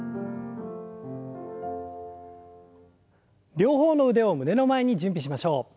両方の腕を胸の前に準備しましょう。